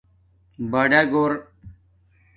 بڑاگھُور